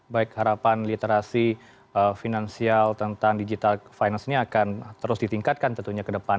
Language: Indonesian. baik harapan literasi finansial tentang digital finance ini akan terus ditingkatkan tentunya ke depan